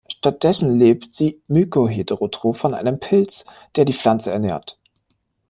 Stattdessen lebt sie myko-heterotroph von einem Pilz, der die Pflanze ernährt.